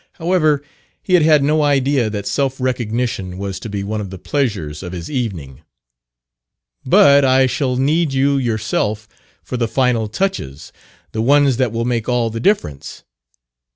However, he had had no idea that self recognition was to be one of the pleasures of his evening. " but I shall need you yourself for the final touches the ones that will make all the difference."